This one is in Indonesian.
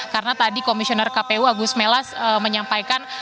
karena tadi komisioner kpu agus melas menyampaikan